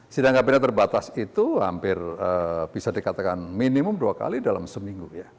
sidang kabinet terbatas itu hampir bisa dikatakan minimum dua kali dalam seminggu